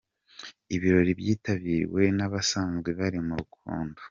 Ibirori byitabiriwe n’abasanzwe bari mu rukundo